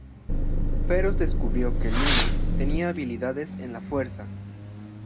Ferus descubrió que Lune, tenía habilidades en la Fuerza.